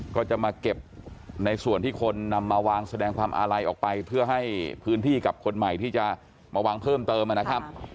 ก็จะมาเก็บในส่วนที่คนนำมาวางแสดงความอาลัยออกไปเพื่อให้พื้นที่กับคนใหม่ที่จะมาวางเพิ่มเติมนะครับ